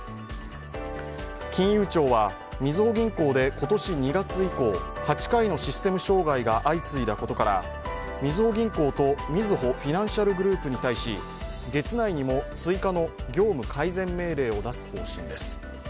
金融庁はみずほ銀行で今年２月以降、８回のシステム障害が相次いだことからみずほ銀行とみずほフィナンシャルグループに対し、月内にも追加の業務改善命令を出す方針です。